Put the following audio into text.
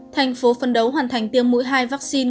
tp hcm hoàn thành tiêm mũi hai vaccine